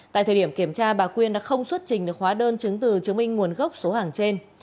tại thời điểm kiểm tra bà quyên đã không xuất trình được hóa đơn chứng từ chứng minh nguồn gốc số hàng trên